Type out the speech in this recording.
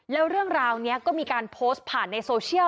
แล้วเรื่องราวนี้ก็มีการโพสต์ผ่านในโซเชียล